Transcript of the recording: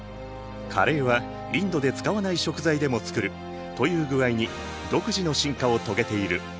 カレーはインドで使わない食材でも作るという具合に独自の進化を遂げている。